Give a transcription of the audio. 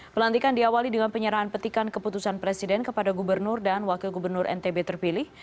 pelantikan diawali dengan penyerahan petikan keputusan presiden kepada gubernur dan wakil gubernur ntb terpilih